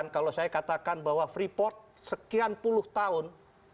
kalau saya katakan bahwa freeport sekian puluh tahun